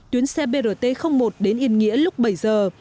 tuyến xe brt một đến yên nghĩa lúc bảy giờ